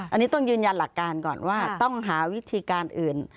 อันนี้ต้องยืนยันหลักการก่อนว่าต้องหาวิธีการอื่น